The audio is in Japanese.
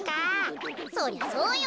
そりゃそうよ。